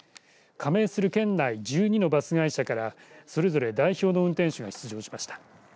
加盟する県内１２のバス会社からそれぞれ代表の運転手が出場しました。